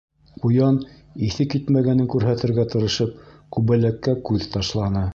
Ҡуян, иҫе китмәгәнен күрһәтергә тырышып, Күбәләккә күҙ ташланы.